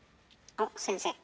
あっ先生。